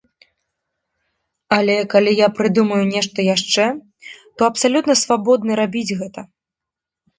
Але, калі я прыдумаю нешта яшчэ, то абсалютна свабодны рабіць гэта.